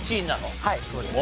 はいそうです。